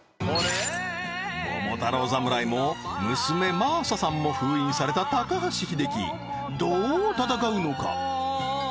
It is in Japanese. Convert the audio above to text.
桃太郎侍も娘真麻さんも封印された高橋英樹どう戦うのか？